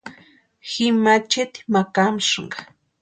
Ji macheti ma kámasïnka.